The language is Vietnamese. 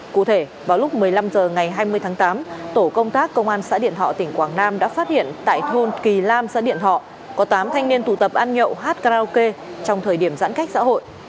cụ thể vào lúc một mươi năm h ngày hai mươi tháng tám tổ công tác công an xã điện thọ tỉnh quảng nam đã phát hiện tại thôn kỳ lam xã điện thọ có tám thanh niên tụ tập ăn nhậu hát karaoke trong thời điểm giãn cách xã hội